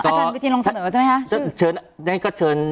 อาจารย์วิทีย์ลองเสนอใช่ไหมครับ